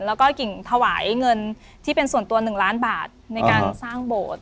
แล้วก็กิ่งถวายเงินที่เป็นส่วนตัว๑ล้านบาทในการสร้างโบสถ์